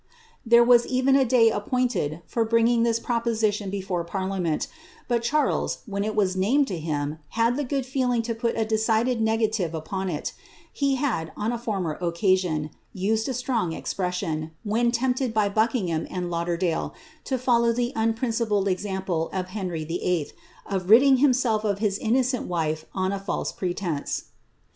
■e was even a day appointed for bringing this proposition before iinent, but Charles, when it was named to him, had the good feel ,0 put a decided negative upon it;' he had, on a former occasion, this strong expression, when tempted by Buckingham and Lauder Id follow the unprincipled example of Henry Vlll. in ridding him >f his innocent wife on a false pretence.